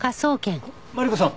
マリコさん